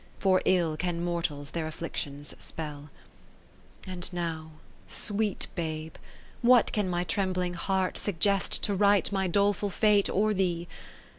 For ill can mortals their afflictions spell. Ill And now (sweet Babe !) what can my trembling heart Suggest to right my doleful fate or thee